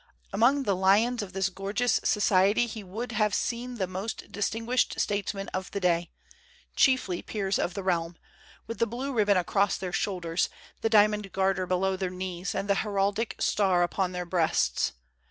Among the lions of this gorgeous society he would have seen the most distinguished statesmen of the day, chiefly peers of the realm, with the blue ribbon across their shoulders, the diamond garter below their knees, and the heraldic star upon their breasts.